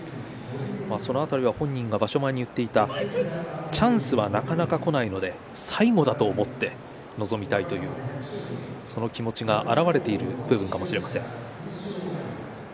本人が場所前に言っていたチャンスはなかなかこないので最後だと思って臨みたいというその気持ちが表れている部分かもしれません。